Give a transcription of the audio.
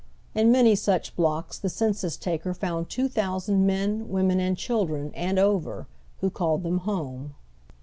In many such blocks the censns tal; er found two thousand men, women, and chil dren, and over, who called them home.